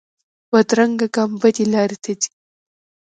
بدرنګه ګام بدې لارې ته ځي